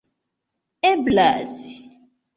eblas